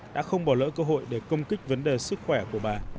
đã không bỏ lỡ cơ hội để công kích vấn đề sức khỏe của bà